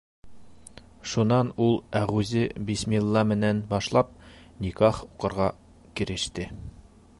Шунан ул әғүзе бисмилла менән башлап никах уҡырға кереште.